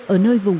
ở nơi vùng